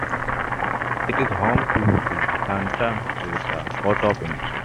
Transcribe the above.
It is home to the Santa Teresa Port of Entry.